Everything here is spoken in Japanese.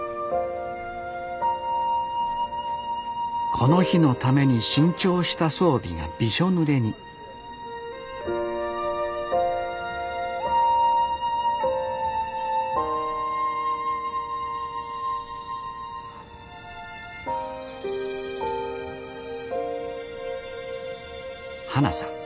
この日のために新調した装備がびしょぬれに花さん